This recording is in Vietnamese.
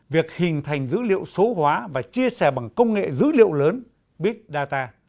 việc hình thành dữ liệu số hóa và chia sẻ bằng công nghệ dữ liệu lớn big data